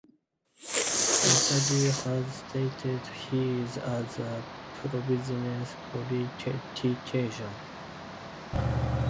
Mesadieu has stated he is as a pro-business politician.